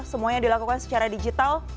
semuanya dilakukan secara digital